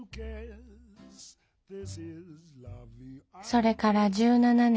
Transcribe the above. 「それから十七年。